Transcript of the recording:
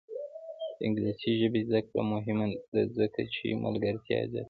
د انګلیسي ژبې زده کړه مهمه ده ځکه چې ملګرتیا زیاتوي.